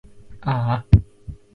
あーあ